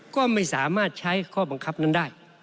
ก็ไม่สามารถใช้ข้อบังคับนั้นได้